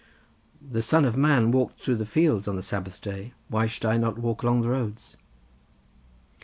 "The Son of Man walked through the fields on the Sabbath day, why should I not walk along the roads?"